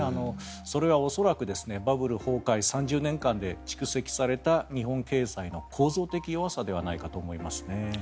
それは恐らくバブル崩壊３０年間で蓄積された日本経済の構造的弱さではないかと思いますね。